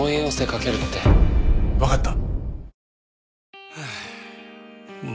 わかった。